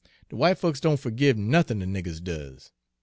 De w'ite folks don' fergive nothin' de niggers does.